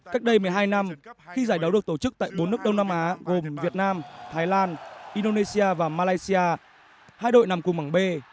cách đây một mươi hai năm khi giải đấu được tổ chức tại bốn nước đông nam á gồm việt nam thái lan indonesia và malaysia hai đội nằm cùng bảng b